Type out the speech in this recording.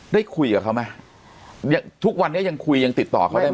ได้คุยกับเขาไหมยังทุกวันนี้ยังคุยยังติดต่อเขาได้ไหม